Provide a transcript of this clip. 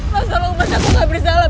mas tolong mas aku gak bersalah